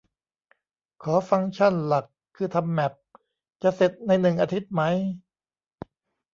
ขอฟังก์ชันหลักคือทำแม็ป จะเสร็จในหนึ่งอาทิตย์ไหม